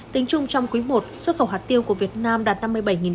tính chung trong quý i xuất khẩu hạt tiêu của việt nam đạt năm mươi bảy tấn